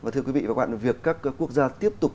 thưa quý vị và các bạn việc các quốc gia tiếp tục